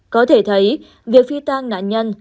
có thể thấy việc phi tan nạn nhân